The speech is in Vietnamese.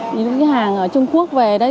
ví dụ như hàng ở trung quốc về đây